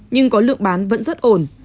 nhưng có lượng bán vẫn rất ổn